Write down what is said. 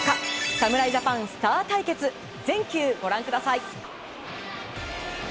侍ジャパンスター対決全球ご覧ください。